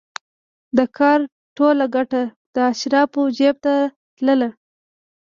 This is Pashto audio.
د کار ټوله ګټه د اشرافو جېب ته تلله